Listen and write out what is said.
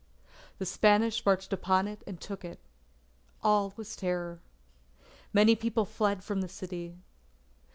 The Spanish marched upon it and took it. All was terror. Many people fled from the city.